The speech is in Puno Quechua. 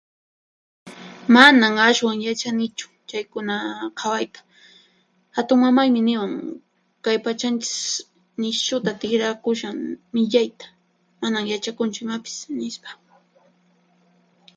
"Manan ashwan yachanichu chaykuna qhawayta. Hatunmamaymi niwan: ""kay pachanchis nishuta tiqrakushan millayta, manan yachakunchu imapis"", nispa."